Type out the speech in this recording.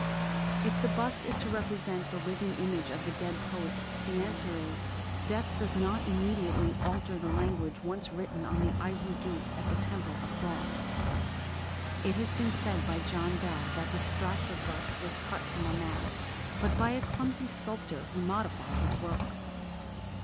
If the bust is to represent the living image of the dead poet, the answer is, death does not immediately alter the language once written on the ivory gate at the temple of thought. It has been said by John Bell that the Stratford bust was cut from a mask, but by a clumsy sculptor, who modified his work.